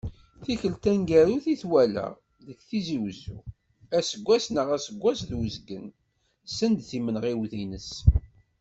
Tikkelt taneggarut i t-walaɣ, deg Tizi Uzzu, aseggas neɣ aseggas d uzgen send timenɣiwt-ines.